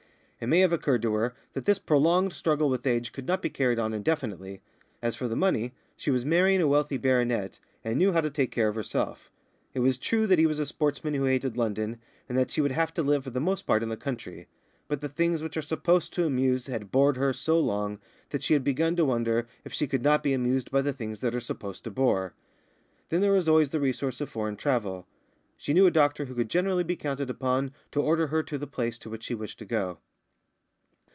It may have occurred to her that this prolonged struggle with age could not be carried on indefinitely. As for the money, she was marrying a wealthy baronet, and knew how to take care of herself. It was true that he was a sportsman who hated London, and that she would have to live for the most part in the country. But the things which are supposed to amuse had bored her so long that she had begun to wonder if she could not be amused by the things that are supposed to bore. Then there was always the resource of foreign travel. She knew a doctor who could generally be counted upon to order her to the place to which she wished to go.